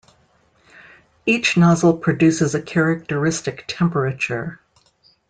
Each nozzle produces a characteristic temperature.